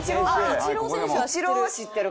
イチロー選手は知ってる！